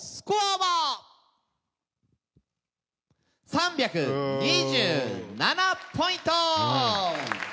３２７ポイント！